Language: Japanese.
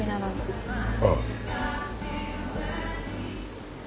ああ。